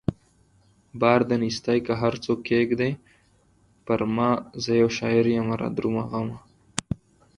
بار د نيستۍ که هر څو کښېږدې پرما زه يو شاعر يمه رادرومه غمه